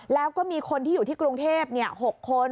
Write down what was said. แล้วก็มีคนที่อยู่ที่กรุงเทพ๖คน